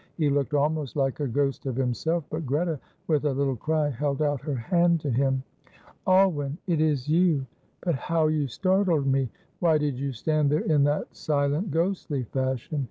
He looked almost like a ghost of himself, but Greta, with a little cry, held out her hand to him. "Alwyn, it is you; but how you startled me! Why did you stand there in that silent, ghostly fashion?"